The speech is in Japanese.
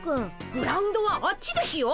グラウンドはあっちですよ。